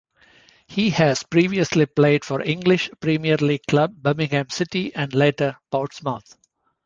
He has previously played for English Premier League club Birmingham City and later Portsmouth.